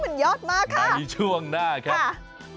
ยอดมากค่ะในช่วงหน้าครับ